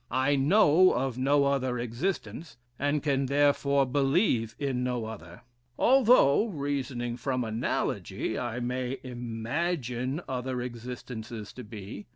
I know of no other existence, and can therefore believe in no other: although, reasoning from analogy, I may imagine other existences to be.